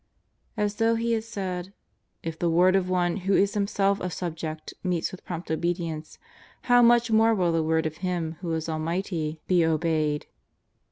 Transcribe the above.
As though he had said :" If the word of one who is himself a subject meets with prompt obedience, how much more will the word of Him who is Almighty be 209 210 JESUS OF NAZARETH, obeyed.''